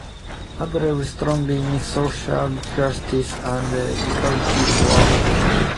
I believe strongly in social justice and equality for all.